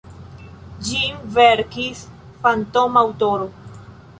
Ĝin verkis fantoma aŭtoro.